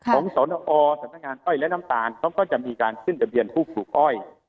สนอสำนักงานอ้อยและน้ำตาลเขาก็จะมีการขึ้นทะเบียนผู้ปลูกอ้อย